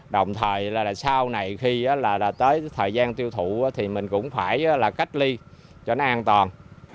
đồng thời sau này khi tới thời gian tiêu thụ thì mình cũng phải cách ly cho nó an toàn